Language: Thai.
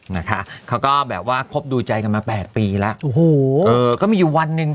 นะคะเขาก็แบบว่าคบดูใจกันมาแปดปีแล้วโอ้โหเออก็มีอยู่วันหนึ่ง